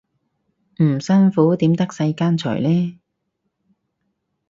唔辛苦點得世間財呢